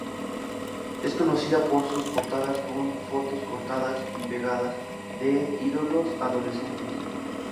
Es conocida por sus portadas con fotos 'cortadas y pegadas' de ídolos adolescentes.